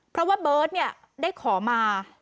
เพราะว่าเบิร์ตได้ขอมา